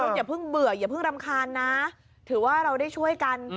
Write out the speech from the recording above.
อย่าเพิ่งเบื่ออย่าเพิ่งรำคาญนะถือว่าเราได้ช่วยกัน